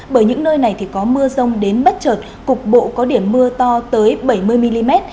bởi những nơi này thì có mưa rông đến bất trợt cục bộ có điểm mưa to tới bảy mươi mm